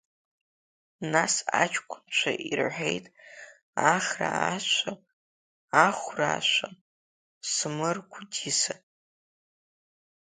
Нас аҷкәынцәа ирҳәеит Ахра ашәа, Ахәрашәа, Смыр Гәдиса.